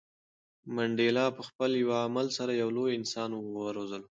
منډېلا په خپل یو عمل سره یو لوی انسان وروزلو.